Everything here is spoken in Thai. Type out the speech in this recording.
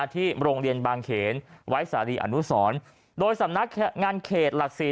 ที่โรงเรียนบางเขนไว้สารีอนุสรโดยสำนักงานเขตหลักสี่